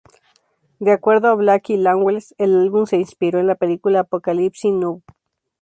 De acuerdo a Blackie Lawless, el álbum se inspiró en la película "Apocalypse Now".